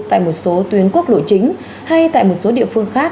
tại một số tuyến quốc lộ chính hay tại một số địa phương khác